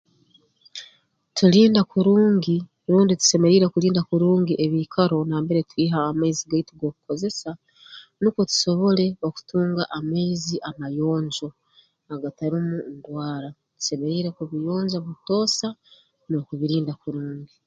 Tulinda kurungi rundi tusemeriire kulinda kurungi ebiikaro nambere twiiha amaizi gaitu g'okukozesa nukwo tusobole okutunga amaizi amayonjo agatarumu ndwara tusemeriire kubiyonja butoosa n'okubirinda kurungi